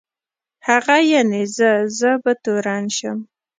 هغه یعني زه، زه به تورن شم.